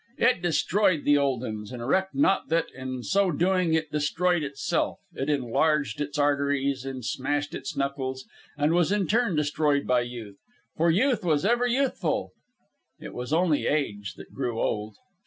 It destroyed the old uns and recked not that, in so doing, it destroyed itself. It enlarged its arteries and smashed its knuckles, and was in turn destroyed by Youth. For Youth was ever youthful. It was only Age that grew old.